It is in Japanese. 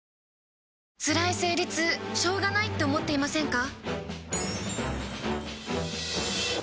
つらい生理痛しょうがないって思っていませんか？